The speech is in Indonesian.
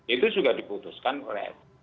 itu juga diputuskan oleh